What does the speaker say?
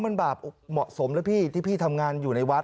มันแบบเหมาะสมนะพี่ที่พี่ทำงานอยู่ในวัด